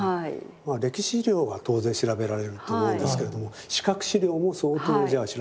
歴史資料は当然調べられると思うんですけれども視覚資料も相当じゃあ調べられた。